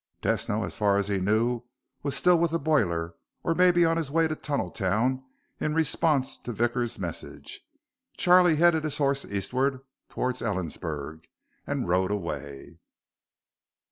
Tesno, as far as he knew, was still with the boiler or maybe on his way to Tunneltown in response to Vickers' message. Charlie headed his horse eastward toward Ellensburg and rode away.